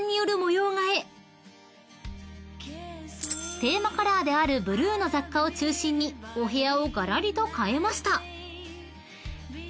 ［テーマカラーであるブルーの雑貨を中心にお部屋をがらりと変えました］